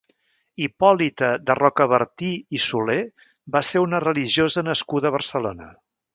Hipòlita de Rocabertí i Soler va ser una religiosa nascuda a Barcelona.